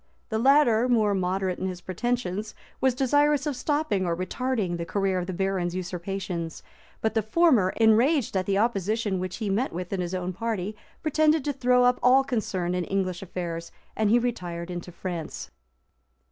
The latter, more moderate in his pretensions, was desirous of stopping or retarding the career of the barons' usurpations; but the former, enraged at the opposition which, he met with in his own party, pretended to throw up all concern in English affairs; and he retired into France.